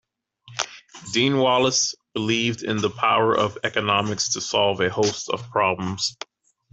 Dean Wallis believed in the power of economics to solve a host of problems.